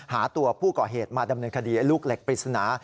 หาตัวผู้ก่อเหตุมาดำเนินคดีไอ้ลูกเหล็กปริศนา